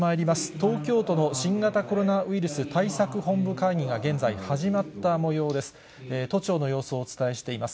東京都の新型コロナウイルス対策本部会議が現在、始まったもようです。